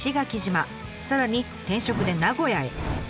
さらに転職で名古屋へ。